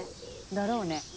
だろうね。